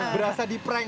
berasa di prank